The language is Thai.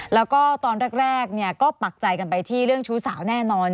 แล้วก็ตอนแรกก็ปักใจกันไปที่เรื่องชู้สาวแน่นอน